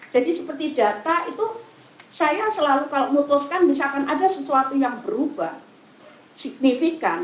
jadi seperti data itu saya selalu kalau memutuskan misalkan ada sesuatu yang berubah signifikan